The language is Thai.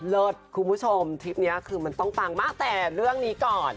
คุณผู้ชมทริปนี้คือมันต้องปังมากแต่เรื่องนี้ก่อน